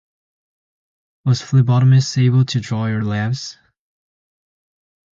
Was the phlebotomist able to draw your labs?